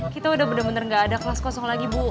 kita udah bener bener gak ada kelas kosong lagi bu